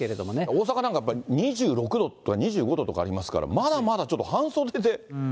大阪なんか、２６度とか２５度とかありますから、まだまだちょっと半袖で。